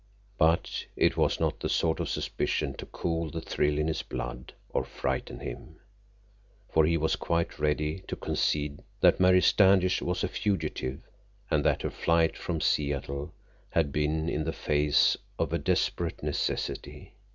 But it was not the sort of suspicion to cool the thrill in his blood or frighten him, for he was quite ready to concede that Mary Standish was a fugitive, and that her flight from Seattle had been in the face of a desperate necessity.